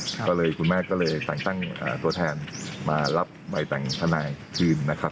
ก็เลยคุณแม่ก็เลยแต่งตั้งตัวแทนมารับใบแต่งทนายคืนนะครับ